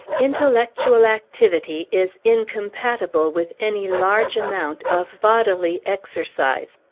Intellectual activity is incompatible with any large amount of bodily exercise.